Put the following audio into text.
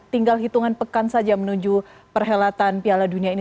tinggal hitungan pekan saja menuju perhelatan piala dunia ini